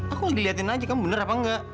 aku lagi liatin aja kamu bener apa engga